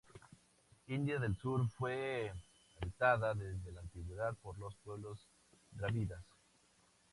India del Sur fue habitada desde la antigüedad por los pueblos drávidas.